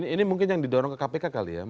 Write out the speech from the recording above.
ini mungkin yang didorong ke kpk kali ya